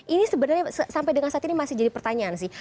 ini sebenarnya sampai dengan saat ini masih jadi pertanyaan sih